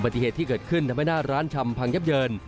ติเหตุที่เกิดขึ้นทำให้หน้าร้านชำพังยับเยิน